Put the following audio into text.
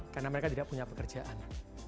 karena mereka tidak punya pekerjaan